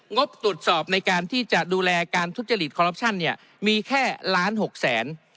งบตรวจสอบในการที่จะดูแลการทุจริตคอรัปชั่นเนี่ยมีแค่ล้านหกแสน